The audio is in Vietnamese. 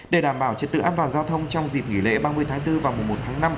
để đảm bảo trật tự an toàn giao thông trong dịp nghỉ lễ ba mươi tháng bốn và mùa một tháng năm